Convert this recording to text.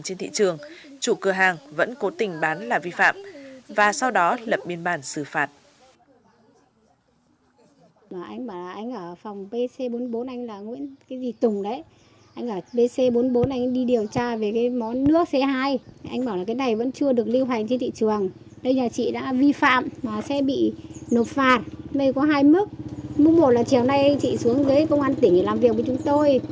trên thị trường chủ cửa hàng vẫn cố tình bán là vi phạm và sau đó lập biên bản xử phạt